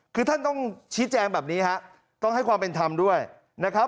คือท่านต้องชี้แจงแบบนี้ฮะต้องให้ความเป็นธรรมด้วยนะครับ